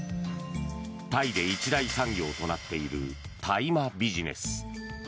タイで一大産業となっている大麻ビジネス。